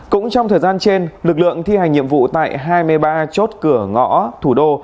cũng trong thời gian trên lực lượng thi hành nhiệm vụ tại hai mươi ba chốt cửa ngõ thủ đô